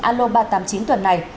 alo ba trăm tám mươi chín tuần này